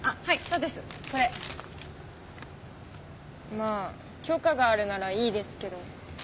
まあ許可があるならいいですけど。